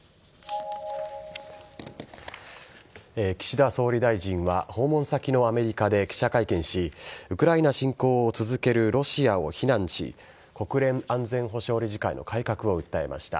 岸田総理大臣は訪問先のアメリカで記者会見しウクライナ侵攻を続けるロシアを非難し国連安全保障理事会の改革を訴えました。